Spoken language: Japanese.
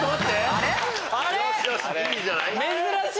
あれ？